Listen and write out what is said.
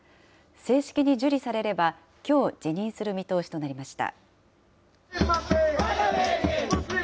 正式に受理されれば、きょう辞任する見通しとなりました。